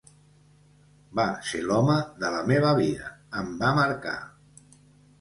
Va ser l'home de la meva vida, em va marcar.